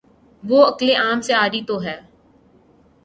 وہ عقل عام سے عاری تو ہے۔